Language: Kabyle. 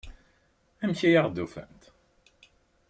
Amek ay aɣ-d-ufant?